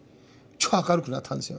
超明るくなったんですよ。